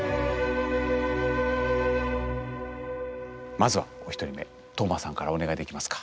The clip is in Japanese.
まずはお１人目トウマさんからお願いできますか。